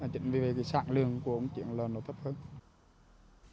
trên vây vây có mặt lưới to hơn mặt lưới khai tạc trước đây là mặt vây